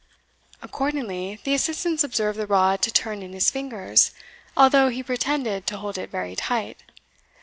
Accordingly, the assistants observed the rod to turn in his fingers, although he pretended to hold it very tight.